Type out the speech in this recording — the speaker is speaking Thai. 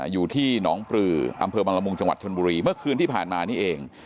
อยู่ที่หนองปลืออำเภอบังละมุงจังหวัดชนบุรีเมื่อคืนที่ผ่านมานี่เอง